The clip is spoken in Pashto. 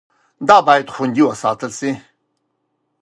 دا باید خوندي وساتل شي.